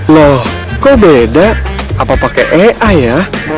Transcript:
loh kok beda apa pakai ea ya